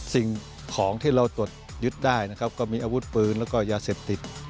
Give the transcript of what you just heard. สิ่งของที่เราตรวจยึดได้นะครับก็มีอาวุธปืนแล้วก็ยาเสพติด